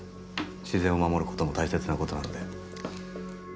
自然を守ることも大切なことなので。